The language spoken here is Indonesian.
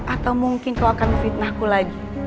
atau mungkin kau akan fitnah aku lagi